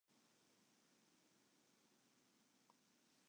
It tal oanmeldingen by de skoalle is dit jier bot groeid.